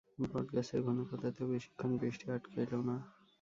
বটগাছের ঘন পাতাতেও বেশিক্ষণ বৃষ্টি আটকাইল না।